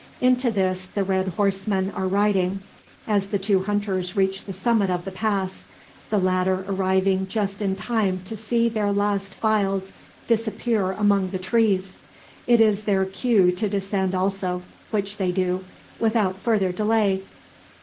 Into this the red horsemen are riding, as the two hunters reach the summit of the pass, the latter arriving just in time to see their last files disappear among the trees. It is their cue to descend also, which they do, without further delay.